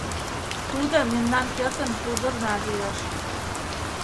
Тудо мемнан пӧртын пулдырна лиеш.